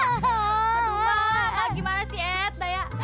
aduh mbak gimana sih edna ya